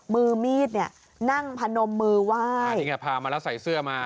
มือมีดเนี่ยนั่งพนมมือไหว้นี่ไงพามาแล้วใส่เสื้อมา